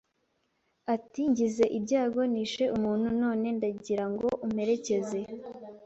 Ati ngize ibyago nishe umuntu; none ndagira ngo umperekeze